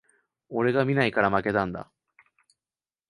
俺が見ないから負けたんだ